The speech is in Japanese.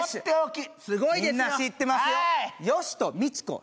みんな知ってますよ